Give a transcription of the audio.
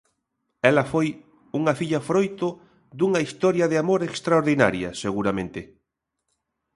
Ela foi unha filla froito dunha historia de amor extraordinaria, seguramente.